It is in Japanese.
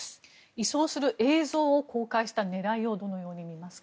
移送する映像を公開した狙いをどのように見ますか？